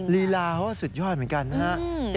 ลีลาเขาสุดยอดเหมือนกันนะครับ